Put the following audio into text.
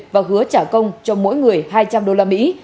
và hứa trả công cho mỗi người hai trăm linh đô la mỹ